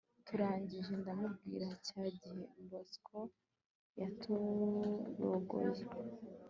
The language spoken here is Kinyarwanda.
turangije ndamubwira cyagihe bosco yaturogoye